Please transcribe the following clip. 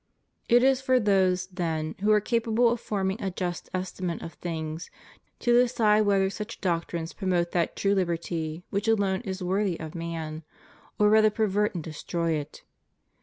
It is for those, then, who are capable of forming a just estimate of things to decide whether such doctrines promote that true Uberty which alone is worthy of man, or rather pervert and destroy it.